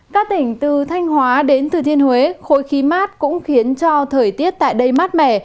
các tỉnh từ thanh hóa đến thừa thiên huế khối khí mát cũng khiến cho thời tiết tại đây mát mẻ